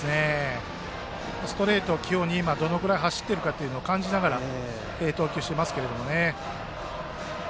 ストレート、どのくらい走っているかを感じながら投球していますけどね。